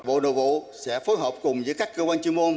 bộ đồ vụ sẽ phối hợp cùng với các cơ quan chuyên môn